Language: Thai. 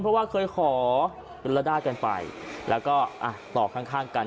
เพราะว่าเคยขอรดากันไปแล้วก็อ่ะตอบข้างข้างกัน